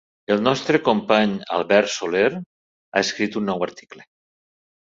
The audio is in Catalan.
El nostre company Albert Soler ha escrit un nou article.